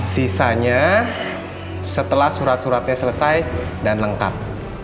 sisanya setelah surat suratnya selesai dan lengkap